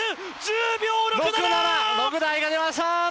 ６台が出ました！